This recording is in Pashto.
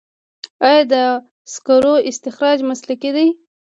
آیا د سکرو استخراج مسلکي دی؟